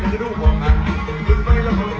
กลับไปเกบให้ดีเนี่ย